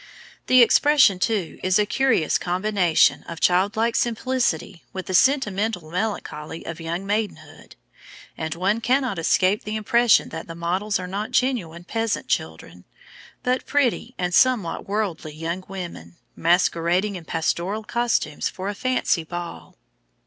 The expression, too, is a curious combination of childlike simplicity with the sentimental melancholy of young maidenhood; and one cannot escape the impression that the models are not genuine peasant children, but pretty and somewhat worldly young women, masquerading in pastoral costumes for a fancy ball.